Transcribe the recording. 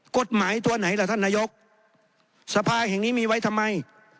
กฎหมายตัวไหนล่ะท่านนายกสภาแห่งนี้มีไว้ทำไม